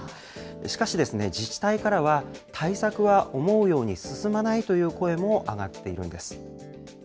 しかし、自治体からは、対策は思うように進まないという声も上がっているんです。